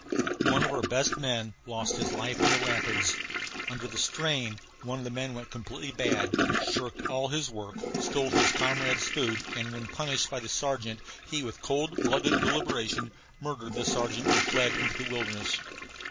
One of our best men lost his life in the rapids. Under the strain one of the men went completely bad, shirked all his work, stole his comrades' food and when punished by the sergeant he with cold blooded deliberation murdered the sergeant and fled into the wilderness.